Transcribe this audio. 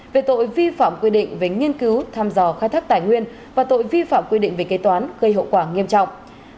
về tội vi phạm quy định về nghiên cứu tham dò khai thác tài nguyên và tội vi phạm quy định về kế toán gây hậu quả nghiêm trọng